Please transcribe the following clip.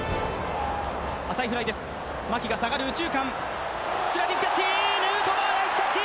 浅いフライです、牧が下がる右中間、スライディングキャッチ、ヌートバーナイスキャッチ！